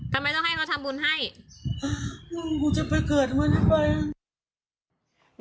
ทำไมต้องให้เขาทำบุญให้อืมกูจะไปเกิดไว้ได้ไหม